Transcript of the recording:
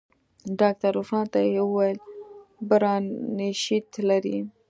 ډاکتر عرفان ته يې وويل برانشيت لري.